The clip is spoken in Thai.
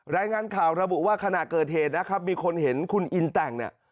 รายงานข่าวระบุว่าขณะเกิดเหตุนะครับมีคนเห็นคุณอินแต่งเนี่ย